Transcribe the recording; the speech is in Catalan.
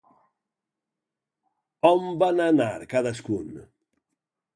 On van anar cadascun?